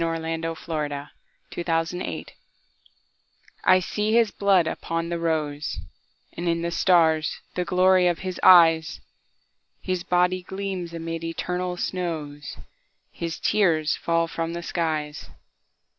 I see His Blood upon the Rose I SEE his blood upon the roseAnd in the stars the glory of his eyes, His body gleams amid eternal snows, His tears fall from the skies.